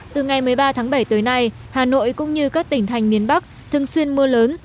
từ ngày một mươi ba tháng bảy tới nay hà nội cũng như các tỉnh thành miền bắc thường xuyên mưa lớn